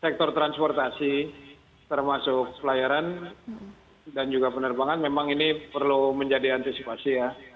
sektor transportasi termasuk pelayaran dan juga penerbangan memang ini perlu menjadi antisipasi ya